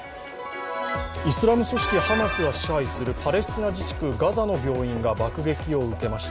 イスラム組織ハマスが支配するパレスチナ自治区ガザの病院が爆撃を受けました。